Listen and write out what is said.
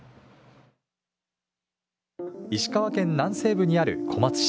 石川県南西部にある小松市。